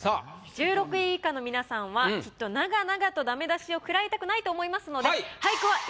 １６位以下の皆さんはきっと長々とダメ出しを食らいたくないと思いますので。